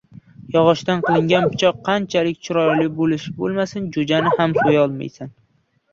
Yog‘ochdan qilingan pichoq qancha chiroyli bo‘lmasin, jo‘jani ham so‘ya olmaysan.